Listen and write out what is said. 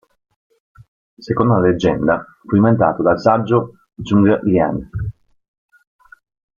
Secondo la leggenda, fu inventato dal saggio Zhuge Liang.